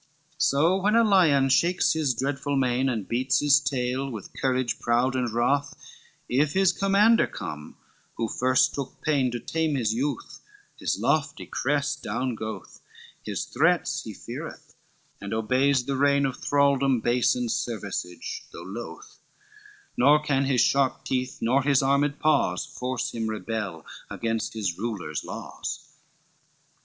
LXXXIII So when a lion shakes his dreadful mane, And beats his tail with courage proud and wroth, If his commander come, who first took pain To tame his youth, his lofty crest down goeth, His threats he feareth, and obeys the rein Of thralldom base, and serviceage, though loth, Nor can his sharp teeth nor his armed paws, Force him rebel against his ruler's laws.